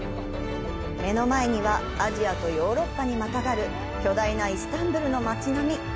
目の前にはアジアとヨーロッパにまたがる巨大なイスタンブールの街並み。